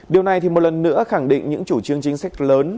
điều này thì một lần nữa khẳng định những chủ trương chính sách lớn